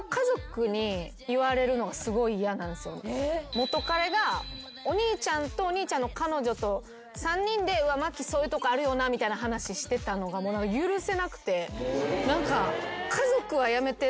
元カレがお兄ちゃんとお兄ちゃんの彼女と３人で「麻貴そういうとこあるよな」みたいな話してたのが許せなくて何か家族はやめてって。